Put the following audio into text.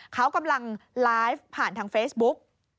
เขากำลังไลฟ์ผ่านทางเฟซบุ๊ก